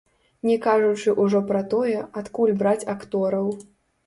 Не кажучы ўжо пра тое, адкуль браць актораў.